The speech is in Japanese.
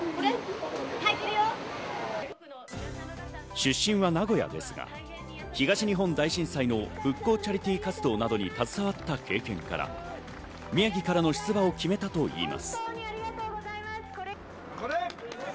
出身は名古屋ですが、東日本大震災の復興チャリティー活動などに携わった経験から宮城からの出馬を決めたといいます。